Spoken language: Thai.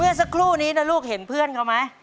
สักครู่นี้นะลูกเห็นเพื่อนเขาไหม